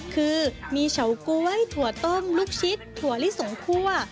คือมีเฉาก๊วยถั่วต้มลูกชิดถั่วลิสงคั่ว